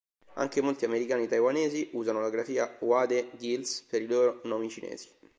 Anche molti americani-taiwanesi usano la grafia Wade-Giles per i loro nomi cinesi.